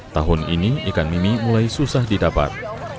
tahun ini ikan mimi mulai susah didapat